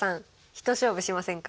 一勝負しませんか？